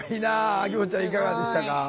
あきもっちゃんいかがでしたか？